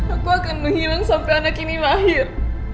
aku akan menghilang sampai anak ini mahir